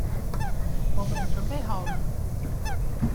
我們準備好了